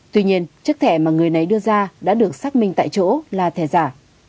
tuy nhiên chất thẻ mà người nấy đưa ra đã được xác minh tại chỗ là thẻ giả